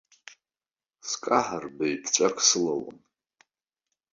Скаҳар баҩԥҵәак сылалон.